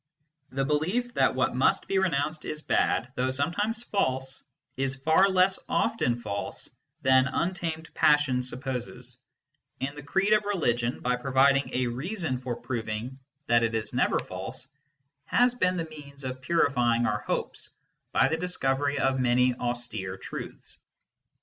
The belief that what must be renounced is bad, though sometimes false, is far less often false than untamed passion sup poses ; and the creed of religion, by providing a reason 52 MYSTICISM AND LOGIC for proving that it is never false, has been the means of purifying our hopes by the discovery of many austere truths.